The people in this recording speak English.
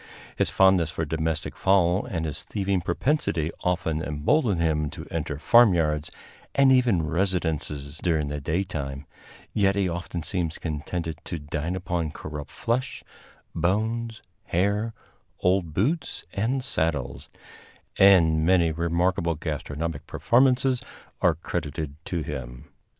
His fondness for domestic fowl and his thieving propensity often embolden him to enter farmyards and even residences during the daytime; yet he often seems contented to dine upon corrupt flesh, bones, hair, old boots and saddles, and many remarkable gastronomic performances are credited to him.